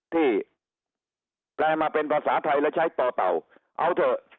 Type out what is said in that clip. ที่แปลมาเป็นภาษาไทยและใช้ต่อเต่าเอาเถอะ